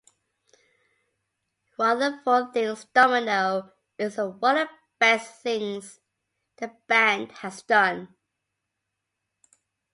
Rutherford thinks "Domino" is "one of the best things" the band has done.